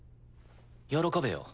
喜べよ。